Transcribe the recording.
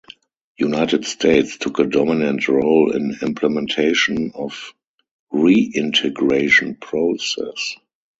United States took a dominant role in implementation of reintegration process.